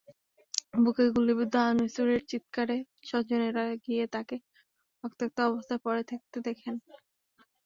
বুকে গুলিবিদ্ধ আনিসুরের চিৎকারে স্বজনেরা গিয়ে তাঁকে রক্তাক্ত অবস্থায় পড়ে থাকতে দেখেন।